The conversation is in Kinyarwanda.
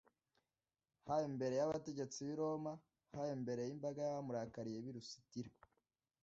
haba imbere y’abategetsi b’i Roma; haba imbere y’imbaga y’abamurakariye b’ i Lusitira